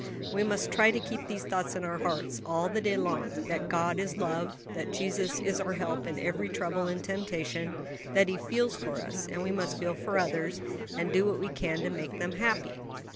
"We must try to keep these thoughts in our hearts all the day long: that God is love; that Jesus is our help in every trouble and temptation, that He feels for us, and we must feel for others, and do what we can to make them happy.